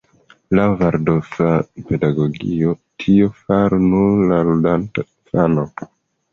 Laŭ valdorfa pedagogio, tion faru nur la ludanta infano.